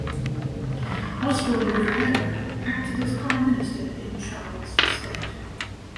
Osborne Riviere acted as Prime Minister in Charles' stead.